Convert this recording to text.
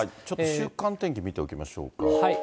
週間天気見ておきましょうか。